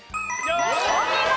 お見事！